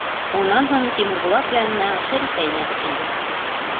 Унан һуң Тимербулат янына Шәрифә инәһе килде.